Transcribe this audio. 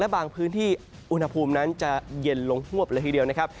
บางพื้นที่อุณหภูมินั้นจะเย็นลงฮวบเลยทีเดียวนะครับ